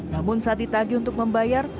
namun saat ditagi untuk membayar